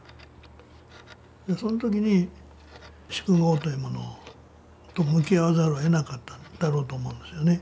そのときに宿業というものと向き合わざるをえなかったんだろうと思うんですよね。